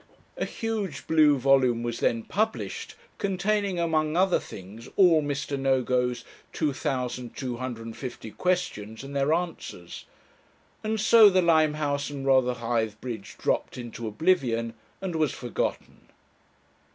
A huge blue volume was then published, containing, among other things, all Mr. Nogo's 2,250 questions and their answers; and so the Limehouse and Rotherhithe bridge dropped into oblivion and was forgotten.